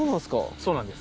そうなんです。